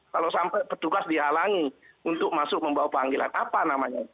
kalau sampai petugas dihalangi untuk masuk membawa panggilan apa namanya